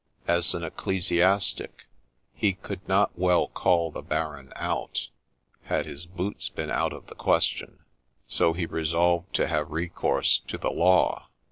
As an ecclesiastic, he could not well call the Baron out, — had his boots been out of the question ; so he resolved to have recourse to the law.